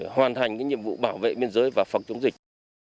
hoàn thành nhiệm vụ bảo vệ biên giới và phòng chống dịch